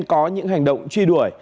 có những hành động truy đuổi